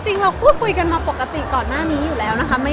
จริงเราพูดคุยกันมาปกติก่อนหน้านี้อยู่แล้วนะคะ